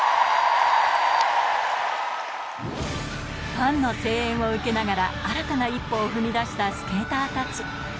ファンの声援を受けながら新たな一歩を踏み出したスケーターたち